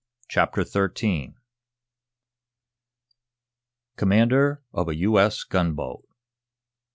CHAPTER XIII COMMANDER OF A U.S. GUNBOAT!